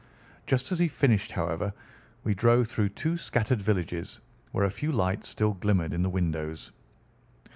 Just as he finished, however, we drove through two scattered villages, where a few lights still glimmered in the windows.